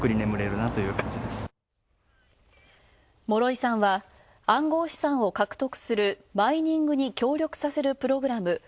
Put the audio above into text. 諸井さんは、暗号資産を獲得するマイニングに協力させるプログラム